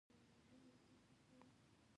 هغه وویل په ورکړه کې یې له اغلې نه مه شرمیږه.